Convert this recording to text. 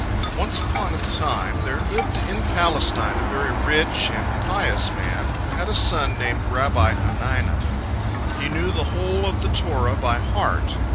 Once upon a time there lived in Palestine a very rich and pious man, who had a son named Rabbi Hanina. He knew the whole of the Torah by heart.